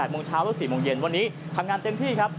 โมงเช้าและ๔โมงเย็นวันนี้ทำงานเต็มที่ครับ